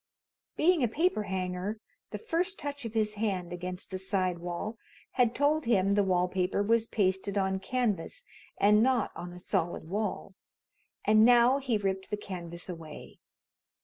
Being a paper hanger, the first touch of his hand against the side wall had told him the wall paper was pasted on canvas and not on a solid wall, and now he ripped the canvas away.